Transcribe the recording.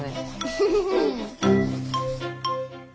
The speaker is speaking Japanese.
フフフフ。